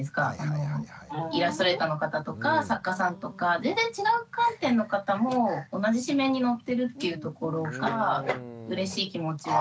イラストレーターの方とか作家さんとか全然違う観点の方も同じ誌面に載ってるっていうところがうれしい気持ちはあったかなと。